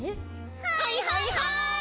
はいはいはい！